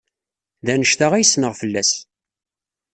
D anect-a ay ssneɣ fell-as.